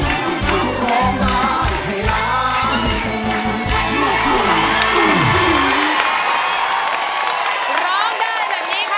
๔หมื่นบาท